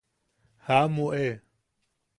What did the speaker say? ¡Jaʼamu e!